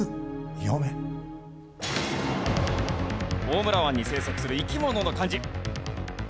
大村湾に生息する生き物の漢字。